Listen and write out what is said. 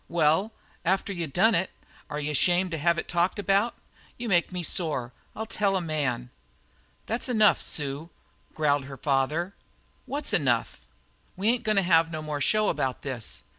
"Well, after you done it, are you ashamed to have it talked about? You make me sore, I'll tell a man!" "That's enough, Sue," growled the father. "What's enough?" "We ain't goin' to have no more show about this.